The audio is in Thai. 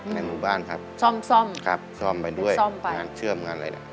ในหมู่บ้านครับซ่อมซ่อมครับซ่อมไปด้วยซ่อมไปงานเชื่อมงานอะไรล่ะ